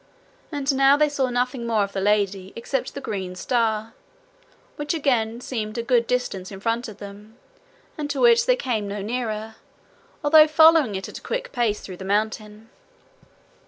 And now they saw nothing more of the lady except the green star, which again seemed a good distance in front of them, and to which they came no nearer, although following it at a quick pace through the mountain.